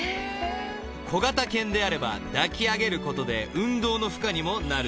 ［小型犬であれば抱き上げることで運動の負荷にもなるそうです］